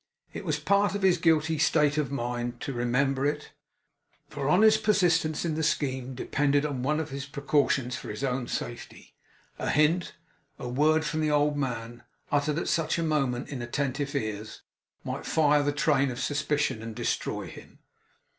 It was a part of his guilty state of mind to remember it; for on his persistence in the scheme depended one of his precautions for his own safety. A hint, a word, from the old man, uttered at such a moment in attentive ears, might fire the train of suspicion, and destroy him.